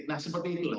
nah seperti itulah